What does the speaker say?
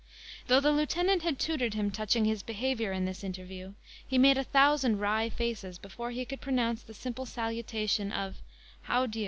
Though the lieutenant had tutored him touching his behaviour it this interview, he made a thousand wry faces before he could pronounce the simple salutation of "How d'ye?"